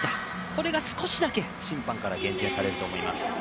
これが少しだけ審判から減点されると思います。